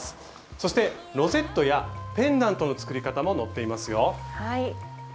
そしてロゼットやペンダントの作り方も載っていますよ。